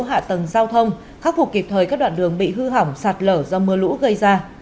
hạ tầng giao thông khắc phục kịp thời các đoạn đường bị hư hỏng sạt lở do mưa lũ gây ra